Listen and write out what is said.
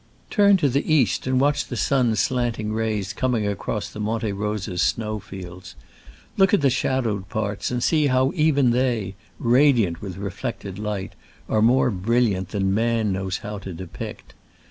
Turn to the east and watch the sun's slanting rays coming across the Monte Rosa snow fields. Look at the shadow ed parts and see ho>v even they, radiant with reflected light, are more brilliant than man knows how to depict.